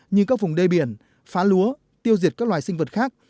như các vùng đê biển phá lúa tiêu diệt các loài sinh vật khác